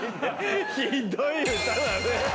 ひどい歌だね。